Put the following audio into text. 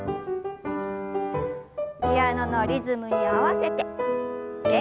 ピアノのリズムに合わせて元気よく。